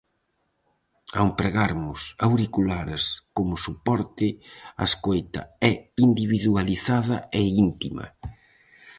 Ao empregarmos auriculares como soporte, a escoita é individualizada e íntima.